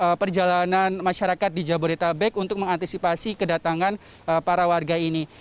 bagaimana perjalanan masyarakat di jabodetabek untuk mengantisipasi kedatangan para warga ini